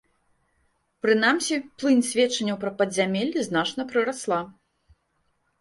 Прынамсі, плынь сведчанняў пра падзямеллі значна прырасла.